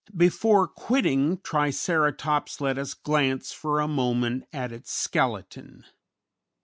Before quitting Triceratops let us glance for a moment at its skeleton.